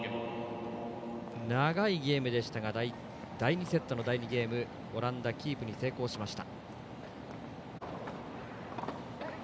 長いゲームでしたが第２セットの第２ゲームオランダキープに成功しました。